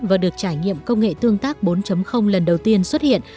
và được trải nghiệm công nghệ tương tác bốn lần đầu tiên xuất hiện